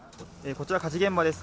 こちら、火事現場です。